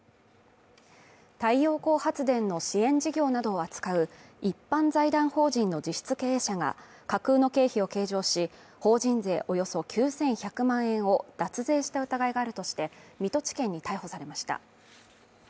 太陽光発電の支援事業などを扱う一般財団法人の実質経営者が架空の経費を計上し、法人税およそ９１００万円を脱税した疑いがあるとして水戸地検に逮捕されました。